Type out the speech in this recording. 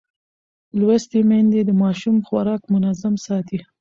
لوستې میندې د ماشوم خوراک منظم ساتي.